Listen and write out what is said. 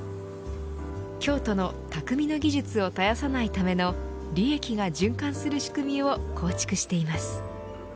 京都の匠の技術を絶やさないための利益が循環する仕組みを構築しています。